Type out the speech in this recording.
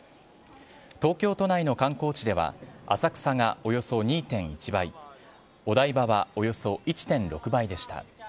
東京都内の観光地では浅草がおよそ２．１倍お台場はおよそ１．６倍でした。